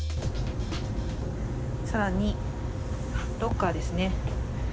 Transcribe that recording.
更に、ロッカーですね。